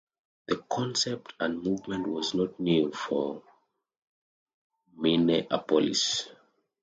The concept and movement was not new for Minneapolis.